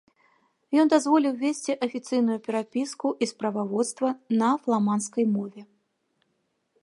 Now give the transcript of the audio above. Ён дазволіў весці афіцыйную перапіску і справаводства на фламандскай мове.